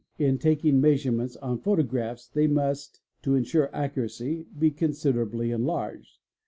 In ~ taking measurements on photographs, they must, to ensure accuracy, , considerably enlarged.